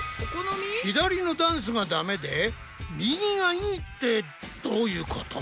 左のダンスがダメで右がいいってどういうこと？